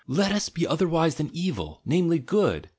"Let us be otherwise th. evil, namely, good!